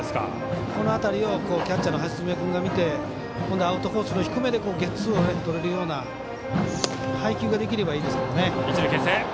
この辺りをキャッチャーの橋爪君が見て本来はアウトコースの低めゲッツーをとれるような配球ができればいいですけどね。